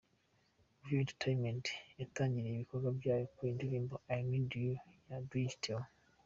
Real Entertainment yatangiriye ibikorwa byayo ku ndirimo "I need you" ya Dj Theo.